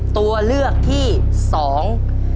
ตัวเลือกที่สอง